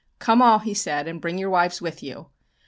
"Come all," he said, "and bring your wives with you.